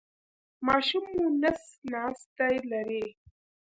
ماشوم مو نس ناستی لري؟